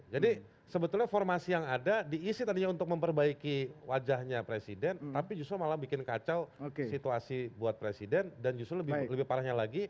jadi sebetulnya formasi yang ada diisi tadinya untuk memperbaiki wajahnya presiden tapi justru malah bikin kacau situasi buat presiden dan justru lebih parahnya lagi